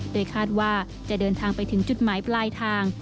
โดยคาดว่าจะเดินทางไปถึงจุดหมายปลายทาง